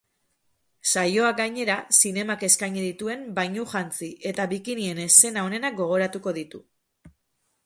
Saioak gainera, zinemak eskaini dituen bainujantzi eta bikinien eszena onenak gogoratuko ditu.